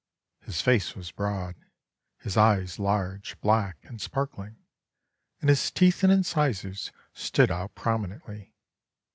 His face was broad, his eyes large, black, and sparkling; and his teeth and incisors stood out prominently.